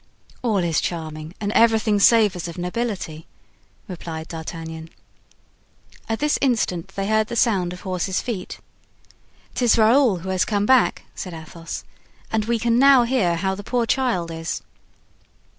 "All is charming and everything savors of nobility," replied D'Artagnan. At this instant they heard the sound of horses' feet. "'Tis Raoul who has come back," said Athos; "and we can now hear how the poor child is."